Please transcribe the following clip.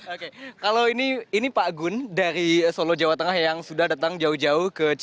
oke kalau ini pak gun dari solo jawa tengah yang sudah datang jauh jauh ke jakarta